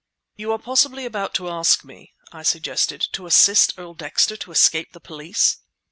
"You are possibly about to ask me," I suggested, "to assist Earl Dexter to escape the police?"